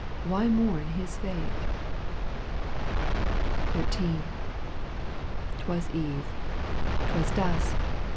Why mourn his fate ? XIII. 'Twas eve. 'Twas dusk.